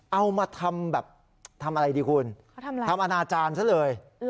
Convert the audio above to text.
เอามาทำแบบทำอะไรดีคุณทำอนาจารย์ซะเลย